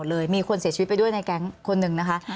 โดนจับหมดเลยมีคนเสียชีวิตไปด้วยในแค่คนหนึ่งนะคะ